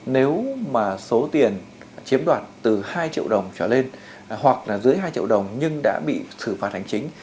nếu mà số tiền chiếm đoạt từ hai triệu đồng trở lên hoặc là dưới hai triệu đồng nhưng đã bị xử phạt hành chính